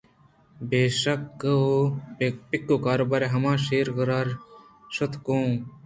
بے شکّ ءُ پکّ روباہ ءِ ہمرائیءَشیرءِ غارءَ شُت گوں